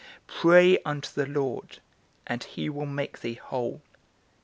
_Pray unto the Lord, and he will make thee whole.